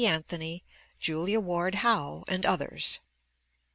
Anthony, Julia Ward Howe, and others.